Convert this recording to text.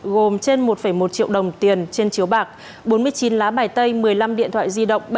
gồm trên một một triệu đồng tiền trên chiếu bạc bốn mươi chín lá bài tay một mươi năm điện thoại di động